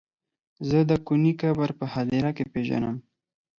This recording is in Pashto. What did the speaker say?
زه د کوني قبر په هديره کې پيژنم.